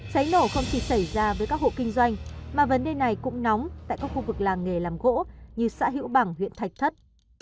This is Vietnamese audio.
cháy nổ không chỉ xảy ra với các hộ kinh doanh mà vấn đề này cũng nóng tại các khu vực làng nghề làm gỗ như xã hữu bằng huyện thạch thất